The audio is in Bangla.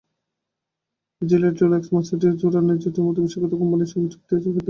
জিলেট, রোলেক্স, মার্সিডিজ, জুরা, নেটজেটের মতো বিশ্বখ্যাত প্রতিষ্ঠানের সঙ্গে চুক্তি আছে ফেদেরারের।